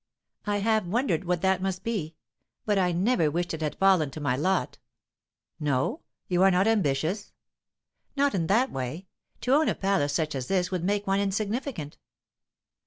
"I have wondered what that must be. But I never wished it had fallen to my lot." "No? You are not ambitious?" "Not in that way. To own a palace such as this would make one insignificant."